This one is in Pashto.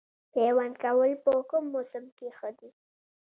پیوند کول په کوم موسم کې ښه دي؟